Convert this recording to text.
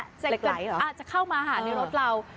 อาจจะเข้ามาหาในรถเรา